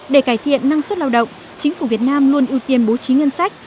để cải thiện năng suất lao động chính phủ việt nam luôn ưu tiên bố trí ngân sách